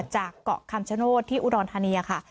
จากเกาะคำชโนธที่อุดรธานีค่ะ